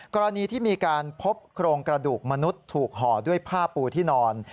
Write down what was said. กรณีที่มีการพบโครงกระดูกมนุษย์ถูกห่อด้วยผ้าปูที่นอน